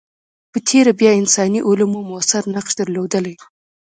په تېره بیا انساني علوم موثر نقش درلودلی.